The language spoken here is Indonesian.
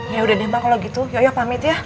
ya udah deh ma kalau gitu yoyok pamit ya